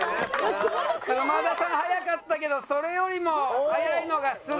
熊田さん速かったけどそれよりも速いのが須田。